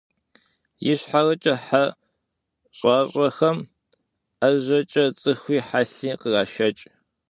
Ищхъэрэкӏэ хьэ щӏащӏэхэм ӏэжьэкӏэ цӏыхуи хьэлъи кърашэкӏ.